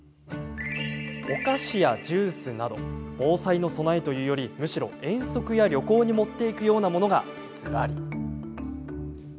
お菓子やジュースなど防災の備えというよりむしろ遠足や旅行に持っていくようなものが、ずらり。